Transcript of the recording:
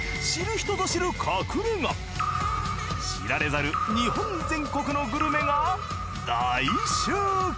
知られざる日本全国のグルメが大集結。